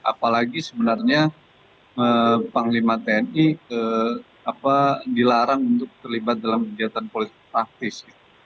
apalagi sebenarnya panglima tni dilarang untuk terlibat dalam kegiatan politik praktis